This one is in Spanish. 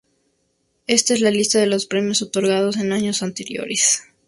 Esta es la lista de los premios otorgados en años anteriores.